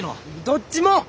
どっちも。